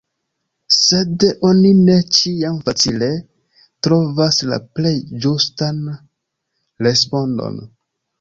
Sed oni ne ĉiam facile trovas la plej ĝustan respondon.